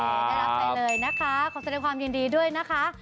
ได้รับไปเลยนะคะขอแสดงความยินดีด้วยนะคะ